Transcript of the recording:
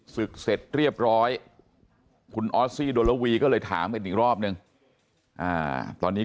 ศึกเสร็จเรียบร้อยคุณออสซี่โดลวีก็เลยถามกันอีกรอบนึงตอนนี้